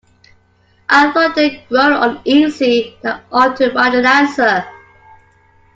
I thought then, growing uneasy, that I ought to write an answer.